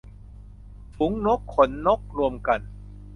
ฝูงนกขนนก - รวมกัน